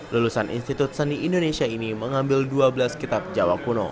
lulusan institut seni indonesia ini mengambil dua belas kitab jawa kuno